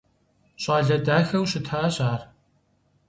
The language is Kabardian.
ЩӀалэ дахэу щытащ ар.